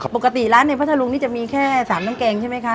ปกติร้านในพัทธรุงนี่จะมีแค่๓น้ำแกงใช่ไหมคะ